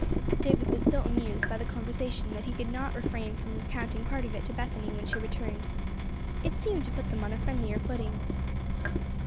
David was so amused by the conversation that he could not refrain from recounting part of it to Bethany when she returned. It seemed to put them on a friendlier footing.